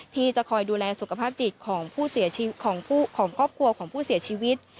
ที่จะคอยดูแลสุขภาพจิตของครอบครัวของผู้เสียชีวิต